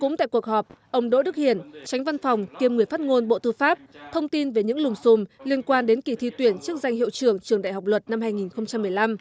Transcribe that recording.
cũng tại cuộc họp ông đỗ đức hiển tránh văn phòng kiêm người phát ngôn bộ tư pháp thông tin về những lùng xùm liên quan đến kỳ thi tuyển chức danh hiệu trưởng trường đại học luật năm hai nghìn một mươi năm